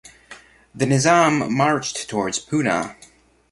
The Nizam marched towards Poona.